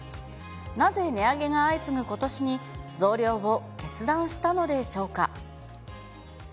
なぜ値上げが相次ぐことしに増量を決断したのでしょうか。